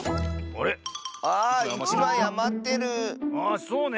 あそうね。